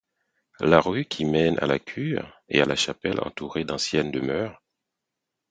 La rue qui mène à la cure et à la chapelle entourée d'anciennes demeures.